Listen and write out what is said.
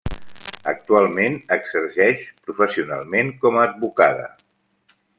Actualment exerceix professionalment com a advocada.